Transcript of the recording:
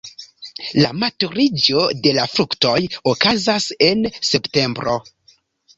La maturiĝo de la fruktoj okazas en septembro.